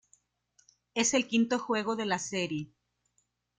Es el quinto juego de la serie.